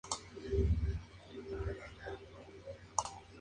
No se produjeron daños personales.